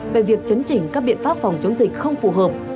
về việc chấn chỉnh các biện pháp phòng chống dịch không phù hợp